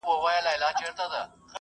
هغې مور خرما د لوڼو تر منځ وويشله.